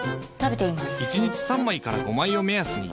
１日３枚から５枚を目安に。